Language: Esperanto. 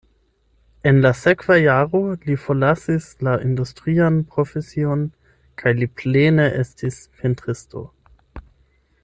En la sekva jaro li forlasis la industrian profesion kaj li plene estis pentristo.